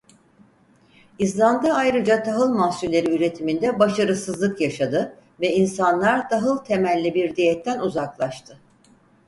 İzlanda ayrıca tahıl mahsulleri üretiminde başarısızlık yaşadı ve insanlar tahıl temelli bir diyetten uzaklaştı.